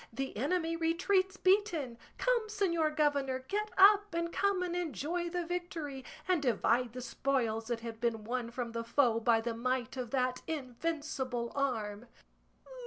The enemy retreats beaten! Come, señor governor, get up, and come and enjoy the victory, and divide the spoils that have been won from the foe by the might of that invincible arm."